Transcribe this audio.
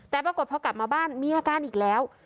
แต่ปรากฏพอกลับมาบ้านมีอาการอีกแล้ว